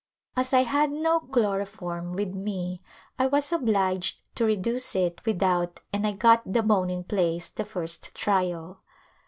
As I had no chloroform with me I was obliged to reduce it without and I got the bone in place the first trial.